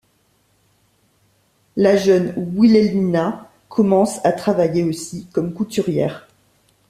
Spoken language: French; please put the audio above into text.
La jeune Wilhelmina commence à travailler aussi comme couturière.